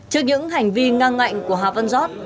trước những hành vi ngang ngạnh của hà văn giót